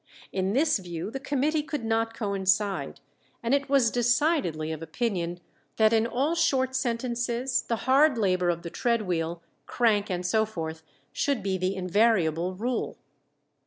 In this view the committee could not coincide, and it was decidedly of opinion that in all short sentences the hard labour of the tread wheel, crank, and so forth should be the invariable rule.